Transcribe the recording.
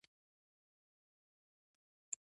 پر لاره مو اړیکې نیولې.